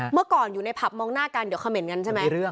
เมื่อก่อนอยู่ในผับมองหน้ากันเดี๋ยวคำเห็นกันใช่ไหม